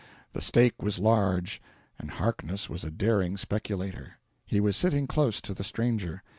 The stake was large, and Harkness was a daring speculator. He was sitting close to the stranger.